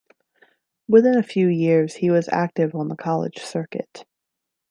Within a few years, he was active on the college circuit.